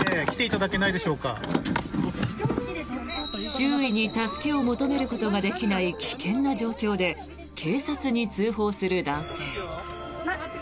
周囲に助けを求めることができない危険な状況で警察に通報する男性。